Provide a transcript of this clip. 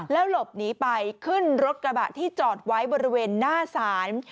แล้วหลบหนีไปขึ้นรถกระบะที่จอดไว้บริเวณหน้าศาล